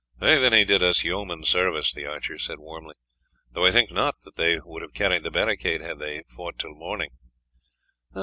"Then he did us yeoman service," the archer said warmly, "though I think not that they would have carried the barricade had they fought till morning."